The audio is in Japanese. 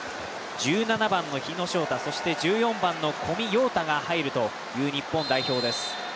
１７番の日野翔太、そして１４番の小見洋太が入るという日本代表です。